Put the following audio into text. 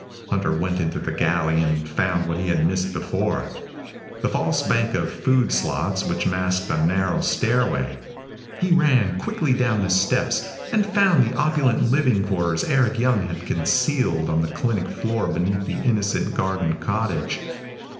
Hunter went into the galley and found what he had missed before the false bank of food slots which masked a narrow stairway. He ran quickly down the steps, and found the opulent living quarters Eric Young had concealed on the clinic floor beneath the innocent garden cottage.